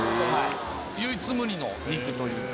唯一無二の肉というか。